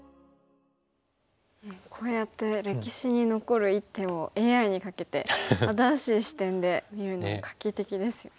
こうやって歴史に残る一手をＡＩにかけて新しい視点で見るのも画期的ですよね。